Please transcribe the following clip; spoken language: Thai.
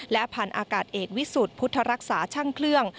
พันธุ์อากาศเอกวิสุทธิ์พุทธรักษาช่างเครื่อง